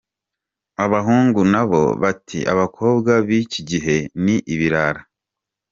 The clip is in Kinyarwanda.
Abahungu nabo bati ‘’ abakobwa bikigihe ni ibirara !